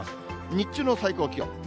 日中の最高気温。